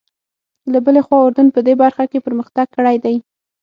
له بلې خوا اردن په دې برخه کې پرمختګ کړی دی.